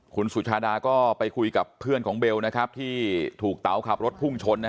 คุณสุชาดาก็ไปคุยกับเพื่อนของเบลที่ถูกเต๋าขับรถพุ่งชน